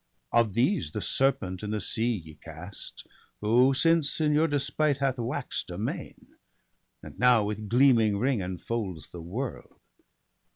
Of these the serpent in the sea ye cast. Who since in your despite hath wax'd amain, And now with gleaming ring enfolds the world.